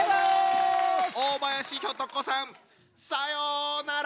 大林ひょと子さんさようなら！